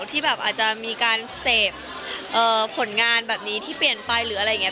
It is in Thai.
ที่แบบอาจจะมีการเสพผลงานแบบนี้ที่เปลี่ยนไปหรืออะไรอย่างนี้